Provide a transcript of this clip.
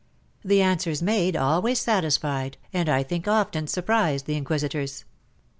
The answers made always satisfied, and I think often surprised, the inquisitors.